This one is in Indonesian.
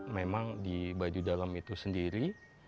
memang di baju dalam itu sendiri